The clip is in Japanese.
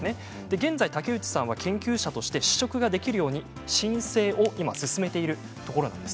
現在、竹内さんは研究者として試食ができるように申請を進めているところです。